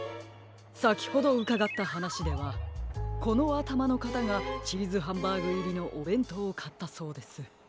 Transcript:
さきほどうかがったはなしではこのあたまのかたがチーズハンバーグいりのおべんとうをかったそうです。